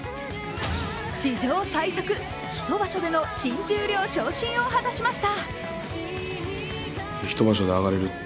史上最速、１場所での新十両昇進を果たしました。